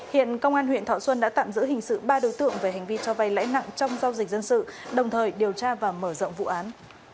hiện công an huyện thọ xuân đã tạm giữ hình sự ba đối tượng về hành vi cho vay lãi nặng trong giao dịch dân sự đồng thời điều tra và mở rộng vụ án